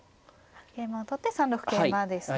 桂馬を取って３六桂馬ですね。